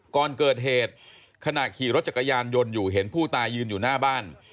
ก่อนเกิดเหตุขณะขี่รถจักรยานยนต์อยู่เห็นผู้ตายยืนอยู่หน้าบ้าน